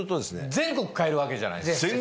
全国買えるわけじゃないですか。